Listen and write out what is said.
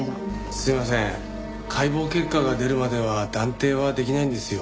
すいません解剖結果が出るまでは断定はできないんですよ。